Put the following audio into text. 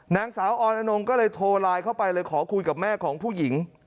นางสาวออนอนงก็เลยโทรไลน์เข้าไปเลยขอคุยกับแม่ของผู้หญิง